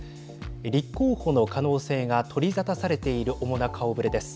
立候補の可能性が取り沙汰されている主な顔ぶれです。